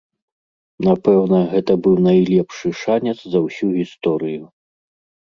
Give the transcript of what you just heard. Напэўна, гэта быў найлепшы шанец за ўсю гісторыю.